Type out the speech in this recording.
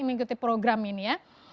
mengikuti program ini ya